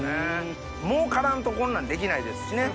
儲からんとこんなんできないですしね